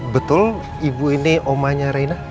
betul ibu ini omanya reina